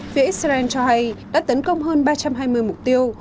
phía israel cho hay đã tấn công hơn ba trăm hai mươi mục tiêu